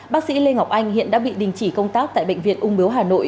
bác sĩ lê ngọc anh hiện đã bị đình chỉ công tác tại bệnh viện ung biếu hà nội